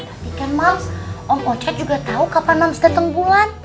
tapi kan mams om ocat juga tau kapan mams dateng bulan